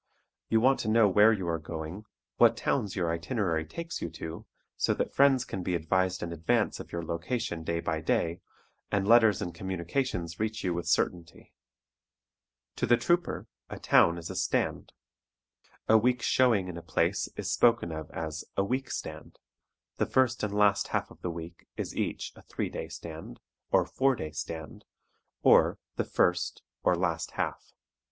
You want to know where you are going, what towns your itinerary takes you to, so that friends can be advised in advance of your location day by day, and letters and communications reach you with certainty. [Illustration: ONE SCENE FROM NED WAYBURN'S "DEMI TASSE REVUE."] To the trouper, a town is a "stand." A week's showing in a place is spoken of as a "week stand"; the first and last half of the week is each a "three day stand," or "four day stand," or the "first" or "last half."